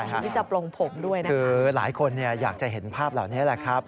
ที่จะปลงผมด้วยนะครับคือหลายคนเนี่ยอยากจะเห็นภาพเหล่านี้แหละครับ